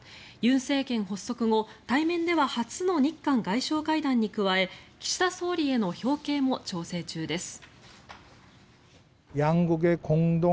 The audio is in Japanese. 尹政権発足後、対面では初の日韓外相会談に加え岸田総理への表敬も調整中です。